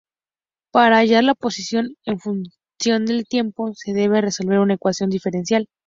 Para hallar la posición en función del tiempo se debe resolver una ecuación diferencial.